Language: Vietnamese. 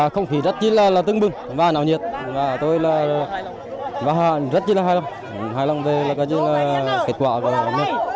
không khí rất chí là tưng bừng và náo nhiệt tôi rất chí là hài lòng hài lòng về kết quả